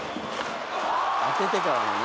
「当ててからのね」